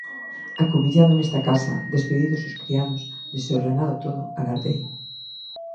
Acubillado nesta casa, despedidos os criados, desordenado todo, agardei.